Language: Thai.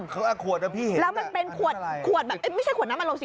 เขาอะขวดประพรีเห็นอ่ะอันที่อะไรไม่ใช่ขวดน้ำอัดลมสิ